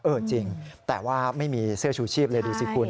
จริงแต่ว่าไม่มีเสื้อชูชีพเลยดูสิคุณ